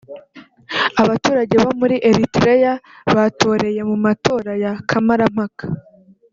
Abaturage bo muri Eritrea batoreye mu matora ya kamarampaka